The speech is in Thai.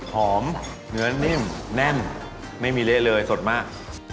เนื้อนิ่มแน่นไม่มีเละเลยสดมาก